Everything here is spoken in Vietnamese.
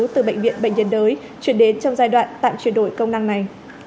từ bệnh viện bệnh nhân đới chuyển đến trong giai đoạn tạm chuyển đổi công năng này